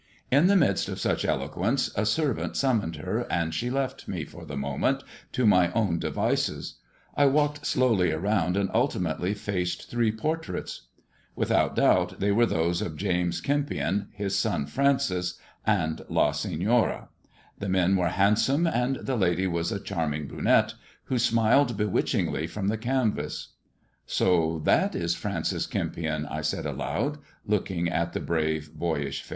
In the midst of such eloquence, a servant aum loned her, and she left me, for the momeat, to my own avices. I walked slowly around, and ultimately faced iree portraits. Without doubt, they were those of James " There tu Bome difficulty in teeing the pictures. tampion, his son Francis, and La Senora. The men were indsome, and the lady was a charming brunette, who' liled bewitchingly from the canvaa. " So that ie Francis Kempion," I said aloud, looking at e brave, boyish face.